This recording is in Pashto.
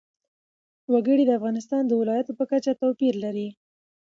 وګړي د افغانستان د ولایاتو په کچه توپیر لري.